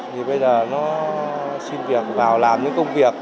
thì bây giờ nó xin việc vào làm những công việc